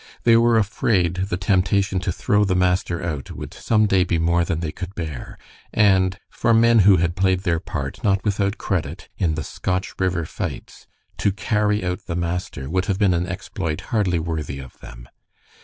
They were afraid the temptation to throw the master out would some day be more than they could bear, and for men who had played their part, not without credit, in the Scotch River fights, to carry out the master would have been an exploit hardly worthy of them.